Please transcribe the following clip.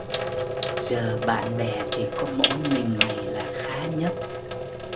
Giờ bạn bè thi có mỗi mình mày là khá nhất